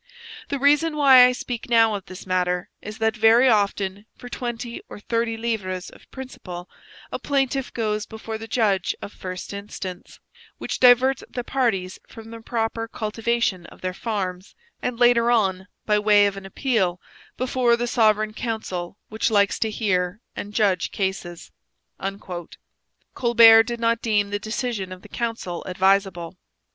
The reason why I speak now of this matter is that very often, for twenty or thirty livres of principal, a plaintiff goes before the judge of first instance which diverts the parties from the proper cultivation of their farms and later on, by way of an appeal, before the Sovereign Council which likes to hear and judge cases. Colbert did not deem the decision of the council advisable.